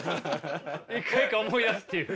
一回一回思い出すっていう。